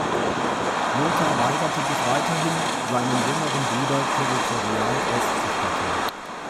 Lothar weigerte sich weiterhin, seinen jüngeren Bruder territorial auszustatten.